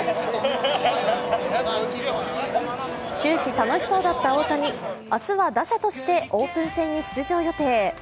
終始楽しそうだった大谷、明日は打者としてオープン戦に出場予定。